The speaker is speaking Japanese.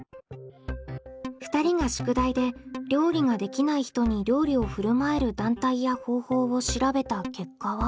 ２人が宿題で料理ができない人に料理をふるまえる団体や方法を調べた結果は？